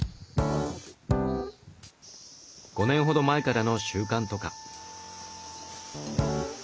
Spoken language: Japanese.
５年ほど前からの習慣とか。